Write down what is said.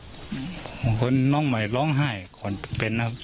เพราะว่าน้องใหม่ร้องไห้ก่อนเป็นครับ